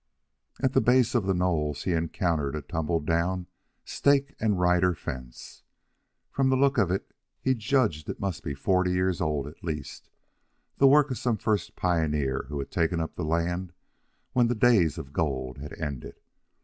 At the base of the knolls he encountered a tumble down stake and rider fence. From the look of it he judged it must be forty years old at least the work of some first pioneer who had taken up the land when the days of gold had ended.